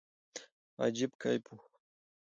عجيب کيف وو.